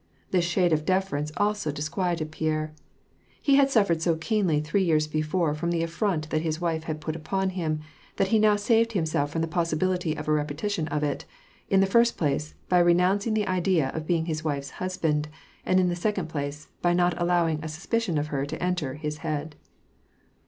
This shade of deference also disquieted Pierre. He had suffered so keenly three years before from the affront that his wife had put upon him, that now he saved himself from the possibility of a repetition of it, in the first place, by renouncing the idea of being his wife's husband, and in the second place, by not allowing a suspicion of her to enter his head.